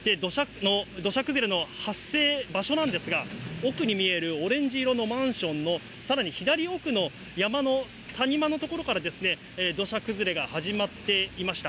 土砂崩れの発生場所なんですが、奥に見えるオレンジ色のマンションのさらに左奥の山の谷間の所からですね、土砂崩れが始まっていました。